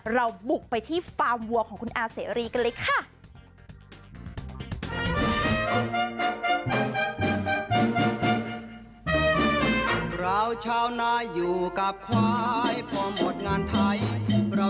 เราบุกไปที่ฟาร์มวัวของคุณอาเสรีกันเลยค่ะ